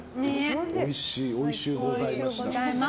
おいしゅうございました。